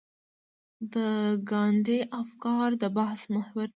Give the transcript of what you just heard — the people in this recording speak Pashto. د ګاندي افکار د بحث محور دي.